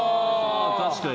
確かに。